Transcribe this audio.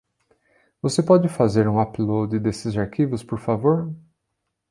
Você pode fazer o upload desses arquivos, por favor?